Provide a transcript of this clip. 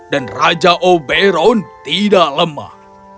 dan raja oberon tidak lemah